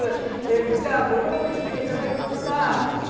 こちらご用意していただきました。